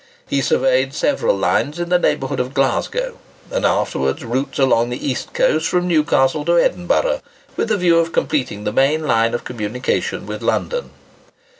He surveyed several lines in the neighbourhood of Glasgow, and afterwards routes along the east coast from Newcastle to Edinburgh, with the view of completing the main line of communication with London.